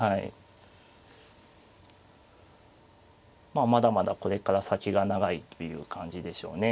まあまだまだこれから先が長いという感じでしょうね。